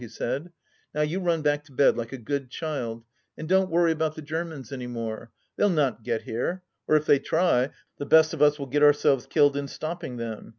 " he said. " Now you run back to bed like a good child, and don't worry about the Germans any more. They'll not get here — or if they try, the best of us will get ourselves killed iu stopping them.